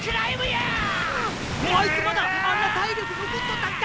あいつまだあんな体力残っとったんか！！